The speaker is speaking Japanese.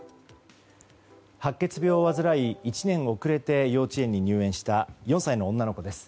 白血病を患い１年遅れて幼稚園に入園した４歳の女の子です。